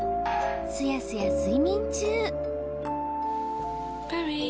すやすや睡眠中